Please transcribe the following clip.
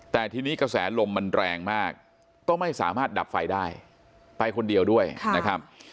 แต่ทีนี้กระแสลมมันแรงมากก็ไม่สามารถดับไฟได้ไปคนเดียวด้วยนะครับ